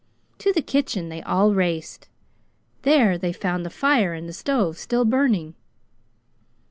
To the kitchen they all raced. There they found the fire in the stove still burning.